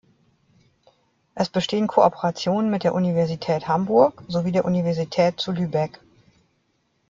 Es bestehen Kooperationen mit der Universität Hamburg sowie der Universität zu Lübeck.